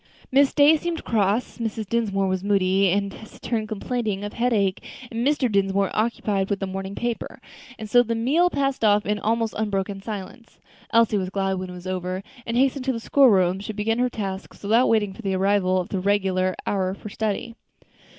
Miss Day seemed cross, Mrs. Dinsmore was moody and taciturn, complaining of headache, and Mr. Dinsmore occupied with the morning paper; and so the meal passed off in almost unbroken silence. Elsie was glad when it was over, and hastening to the school room, she began her tasks without waiting for the arrival of the regular hour for study.